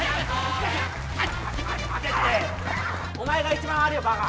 お前が一番悪いよバカ！